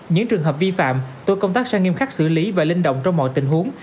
những trường hợp vi phạm tội công tác sẽ nghiêm khắc xử lý và linh động trong mọi tình huống